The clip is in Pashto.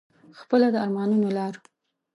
خپله د ارمانونو لار